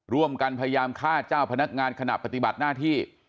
ร่วมกันพยายามฆ่าเจ้าพนักงานขณะปฏิบัติหน้าที่